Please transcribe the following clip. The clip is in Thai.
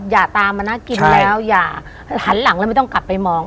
อย่าตามมาน่ากินแล้วอย่าหันหลังแล้วไม่ต้องกลับไปมอง